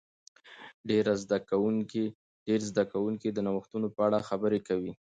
ډیر زده کوونکي د نوښتونو په اړه خبرې کوي.